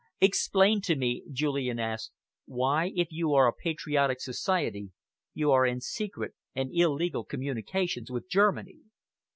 "Explain to me," Julian asked, "why, if you are a patriotic society, you are in secret and illegal communication with Germany?"